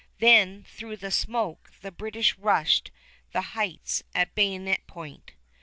Then through the smoke the British rushed the Heights at bayonet point.